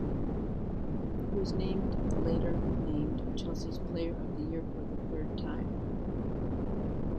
He was named later named Chelsea's Player of the Year for the third time.